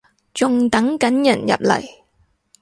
仲等緊人入嚟